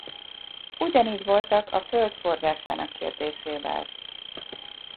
Ugyanígy voltak a Föld forgásának kérdésével.